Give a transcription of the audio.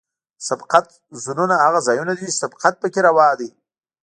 د سبقت زونونه هغه ځایونه دي چې سبقت پکې روا دی